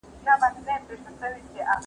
انټرنیټ مو فعال کړئ.